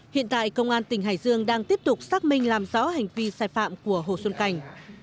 hiện tại công an tỉnh hải dương đang tiếp tục xác minh làm rõ hành vi sai phạm của hồ xuân cảnh